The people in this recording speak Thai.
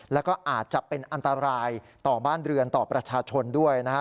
แล้วก็อาจจะเป็นอันตรายต่อบ้านเรือนต่อประชาชนด้วยนะฮะ